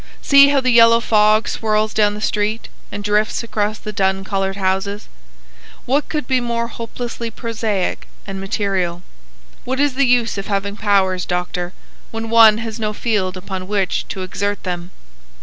See how the yellow fog swirls down the street and drifts across the dun coloured houses. What could be more hopelessly prosaic and material? What is the use of having powers, doctor, when one has no field upon which to exert them?